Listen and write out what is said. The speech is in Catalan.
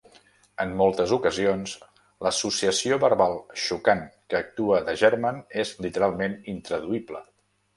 En moltes ocasions l'associació verbal xocant que actua de germen és literalment intraduïble.